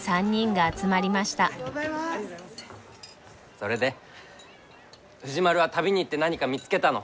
それで藤丸は旅に行って何か見つけたの？